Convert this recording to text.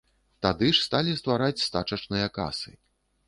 Тады ж сталі ствараць стачачныя касы.